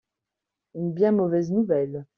Une bien mauvaise nouvelle.